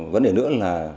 vấn đề nữa là